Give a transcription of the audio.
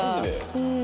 うん。